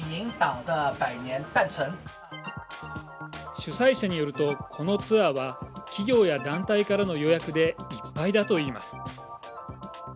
主催者によると、このツアーは企業や団体からの予約でいっぱいだといいます。